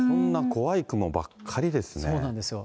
そうなんですよ。